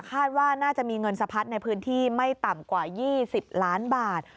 คาดว่าน่าจะมีเงินสะพัดในพื้นที่ไม่ต่ำกว่า๒๐ล้านบาท